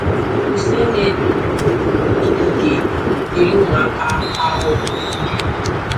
kwụsị imetọ ikike dịịrị ụmụaka ahụ